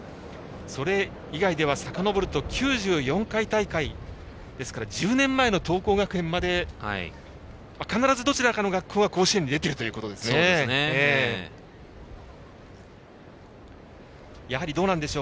それ以外ではさかのぼると９４回大会ですから１０年前の桐光学園まで必ずどちらかの学校が甲子園に出ていることになります。